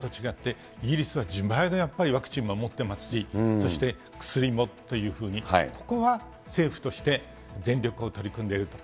ただし、日本と違って、イギリスは自前でワクチンを持っていますし、そして薬もというふうに、ここは政府として、全力を取り組んでいる。